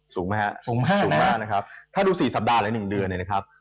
สูงไหมฮะสูงมากสูงมากนะครับถ้าดู๔สัปดาห์หรือ๑เดือนเนี่ยนะครับ